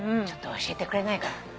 ちょっと教えてくれないかな。